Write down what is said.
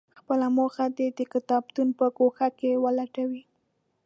خپله موخه دې د کتابتون په ګوښه کې ولټوي.